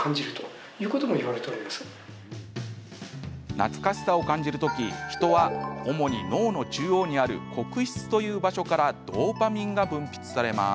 懐かしさを感じるとき人は主に脳の中央にある黒質という場所からドーパミンが分泌されます。